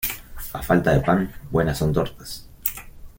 A falta de pan, buenas son tortas.